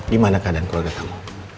gimana keadaan keluarga kamu